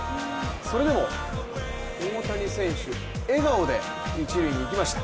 それでも大谷選手、笑顔で一塁に行きました。